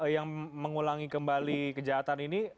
yang mengulangi kembali kejahatan ini